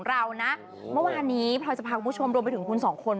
เรานะเมื่อวานนี้พลอยจะพาคุณผู้ชมรวมไปถึงคุณสองคน